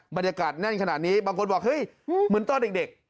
บรรยากาศแน่นขนาดนี้บางคนบอกเฮ้ยเหมือนตอนเด็ก